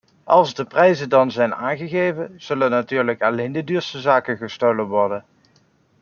Als de prijzen dan zijn aangegeven, zullen natuurlijk alleen de duurste zaken gestolen worden.